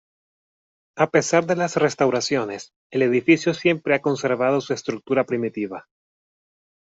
A pesar de las restauraciones, el edificio siempre ha conservado su estructura primitiva.